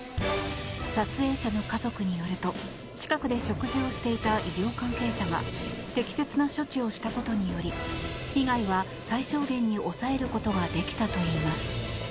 撮影者の家族によると近くで食事をしていた医療関係者が適切な処理をしたことにより被害は最小限に抑えることができたといいます。